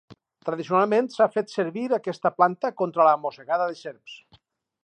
Tradicionalment s'ha fet servir aquesta planta contra la mossegada de serps.